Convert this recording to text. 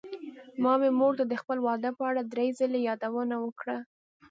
ما مې مور ته د خپل واده په اړه دری ځلې يادوونه وکړه.